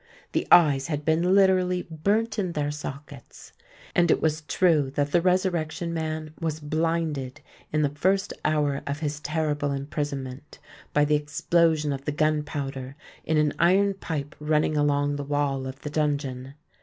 The eyes had been literally burnt in their sockets; and it was true that the Resurrection Man was blinded, in the first hour of his terrible imprisonment, by the explosion of the gunpowder in an iron pipe running along the wall of the dungeon!